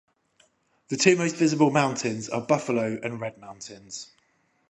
The two most visible mountains are Buffalo and Red Mountains.